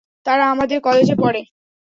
তারা আমাদের কলেজে পড়ে।